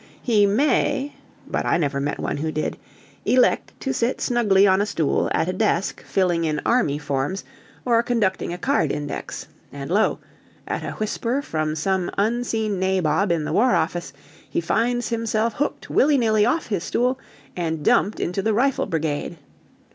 He may (but I never met one who did) elect to sit snugly on a stool at a desk filling in army forms or conducting a card index; and lo, at a whisper from some unseen Nabob in the War Office, he finds himself hooked willy nilly off his stool and dumped into the Rifle Brigade.